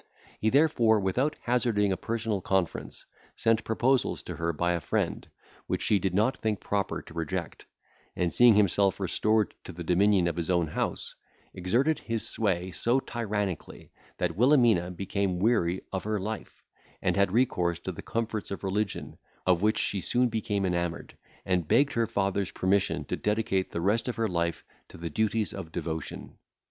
He therefore, without hazarding a personal conference, sent proposals to her by a friend, which she did not think proper to reject; and seeing himself restored to the dominion of his own house, exerted his sway so tyrannically, that Wilhelmina became weary of her life, and had recourse to the comforts of religion, of which she soon became enamoured, and begged her father's permission to dedicate the rest of her life to the duties of devotion.